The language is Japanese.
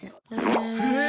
へえ！